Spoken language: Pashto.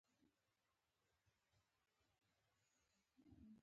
د عضوي کرنې پرمختګ د چاپیریال د ساتنې لامل ګرځي.